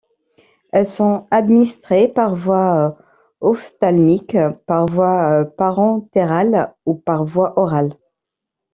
Elles sont administrées par voie ophtalmique, par voie parentérale ou par voie orale.